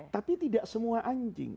tapi tidak semua anjing